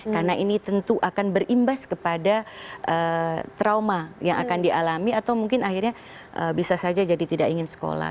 karena ini tentu akan berimbas kepada trauma yang akan dialami atau mungkin akhirnya bisa saja jadi tidak ingin sekolah